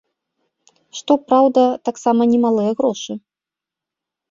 Што, праўда, таксама не малыя грошы.